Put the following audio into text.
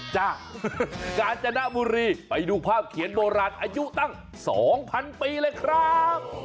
กาญจนบุรีไปดูภาพเขียนโบราณอายุตั้ง๒๐๐๐ปีเลยครับ